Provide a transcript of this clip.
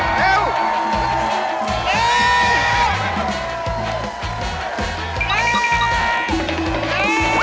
เร็วเร็ว